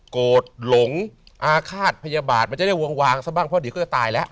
โกรธหลงอาฆาตพยาบาทมันจะได้วางซะบ้างเพราะเดี๋ยวก็จะตายแล้ว